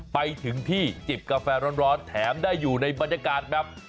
ไปถึงที่จิบกาแฟร้อนแถมได้อยู่ในบรรยากาศแบบ